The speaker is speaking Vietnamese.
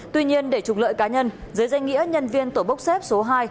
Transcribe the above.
tuy nhiên để trục lợi cá nhân dưới danh nghĩa nhân viên tổ bốc xếp số hai